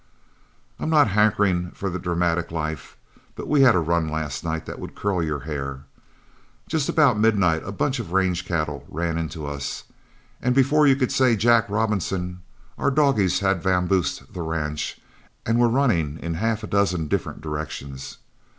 "I'm not hankering for the dramatic in life, but we had a run last night that would curl your hair. Just about midnight a bunch of range cattle ran into us, and before you could say Jack Robinson, our dogies had vamoosed the ranch and were running in half a dozen different directions.